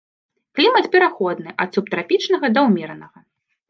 Клімат пераходны ад субтрапічнага да ўмеранага.